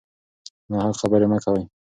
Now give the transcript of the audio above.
ناحق خبرې مه کوئ.